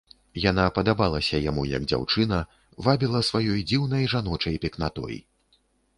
Яна падабалася яму як дзяўчына, вабіла сваёй дзіўнай жаночай пекнатой.